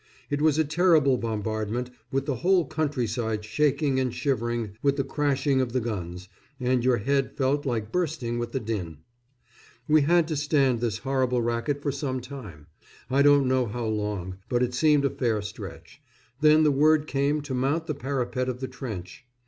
It was a terrible bombardment, with the whole countryside shaking and shivering with the crashing of the guns, and your head felt like bursting with the din. We had to stand this horrible racket for some time. I don't know how long, but it seemed a fair stretch; then the word came to mount the parapet of the trench.